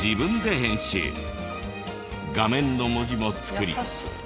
画面の文字も作り